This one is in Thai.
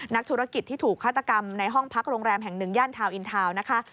นักธุรกิจที่ถูกฆาตกรรมในห้องพักโรงแรมแห่งหนึ่งย่านทาวนอินทาวน์นะคะ